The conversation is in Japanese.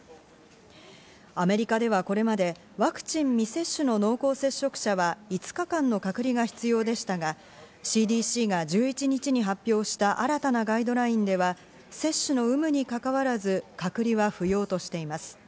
アメリカではこれまで、ワクチン未接種の濃厚接触者は５日間の隔離が必要でしたが、ＣＤＣが１１日に発表した新たなガイドラインでは接種の有無にかかわらず、隔離は不要としています。